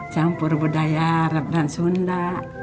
campur budaya arab dan sunda